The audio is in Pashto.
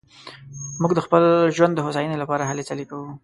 موږ د خپل ژوند د هوساينې لپاره هلې ځلې کوو